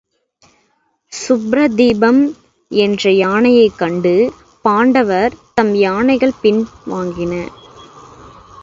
சுப்ரதீபம் என்ற யானையைக் கண்டு பாண்டவர் தம் யானைகள் பின் வாங்கின.